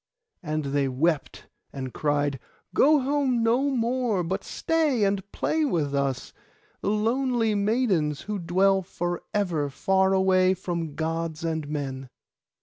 And they wept and cried, 'Go home no more, but stay and play with us, the lonely maidens, who dwell for ever far away from Gods and men.